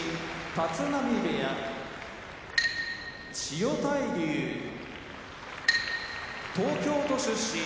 立浪部屋千代大龍東京都出身